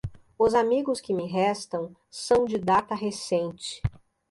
Os amigos que me restam são de data recente.